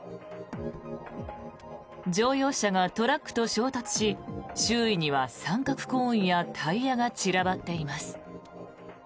乗用車がトラックと衝突し周囲には三角コーンやタイヤが散らばっています。